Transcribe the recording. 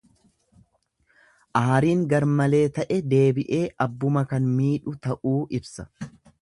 Aariin garmalee ta'e deebi'ee abbuma kan miidhu ta'uu ibsa.